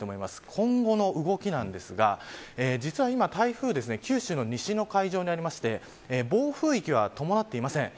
今後の動きですが実は今、台風は九州の西の海上にあって暴風域は伴っていません。